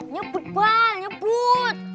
nyebut pak nyebut